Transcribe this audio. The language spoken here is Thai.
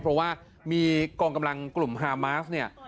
เพราะว่ามีกองกำลังกลุ่มฮามาสเนี่ย